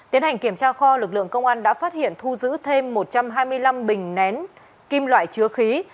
tiến hành kiểm tra kho lực lượng công an đã phát hiện thu giữ thêm một trăm hai mươi năm bình nén kim loại chứa khí